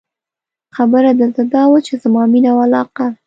خبره دلته دا وه، چې زما مینه او علاقه.